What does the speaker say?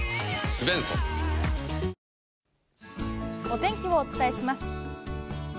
お天気をお伝えします。